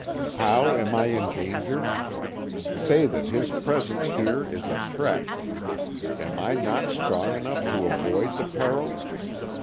How am I endangered? Say that his presence here is a threat. Am I not strong enough to avoid the peril?